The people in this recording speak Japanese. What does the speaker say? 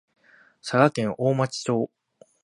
佐賀県大町町